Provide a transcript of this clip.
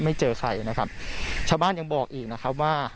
เจอใครนะครับชาวบ้านยังบอกอีกนะครับว่า